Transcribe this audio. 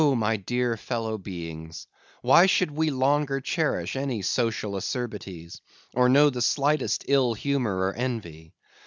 my dear fellow beings, why should we longer cherish any social acerbities, or know the slightest ill humor or envy!